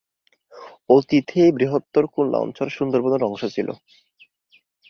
অতীতে বৃহত্তর খুলনা অঞ্চল সুন্দরবনের অংশ ছিলো।